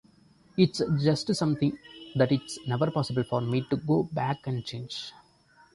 It's just something that it's never possible for me to go back and change.